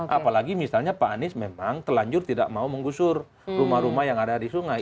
apalagi misalnya pak anies memang telanjur tidak mau menggusur rumah rumah yang ada di sungai